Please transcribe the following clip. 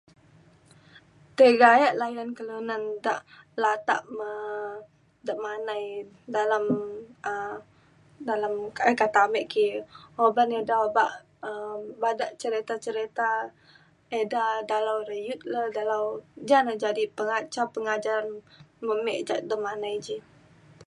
tiga alek layan kelunan da' latak me demanai dalam um dalam um kata ame' ki oban ida oba um bada cerita-cerita ida dalau re yut le dalau ja na jadi pela- pengajar-pengajar me me' ja demanai ji